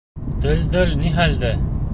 Дөлдөл ни хәлдә?